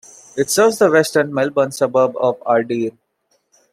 It serves the western Melbourne suburb of Ardeer.